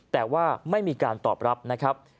แต่ว่าไม่มีการตอบรับนะครับ